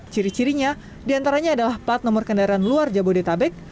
ciri cirinya diantaranya adalah plat nomor kendaraan luar jabodetabek